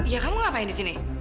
ya kamu ngapain disini